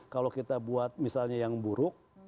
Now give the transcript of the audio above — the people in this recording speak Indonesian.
kalau kita buat misalnya yang buruk